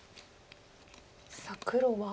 さあ黒は。